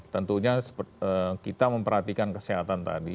tentunya kita memperhatikan kesehatan tadi